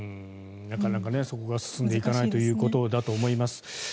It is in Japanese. なかなかそこが進まないということだと思います。